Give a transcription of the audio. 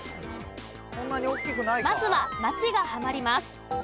まずは町がはまります。